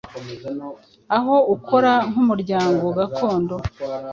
Aho ukora nk’umuryango gakondo